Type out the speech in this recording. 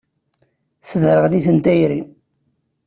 Tesderɣel-iten tayri.